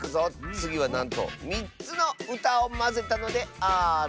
つぎはなんと３つのうたをまぜたのである！